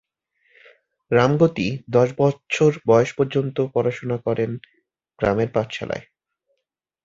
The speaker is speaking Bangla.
রামগতি দশ বৎসর বয়স পর্যন্ত পড়াশোনা করেন গ্রামের পাঠশালায়।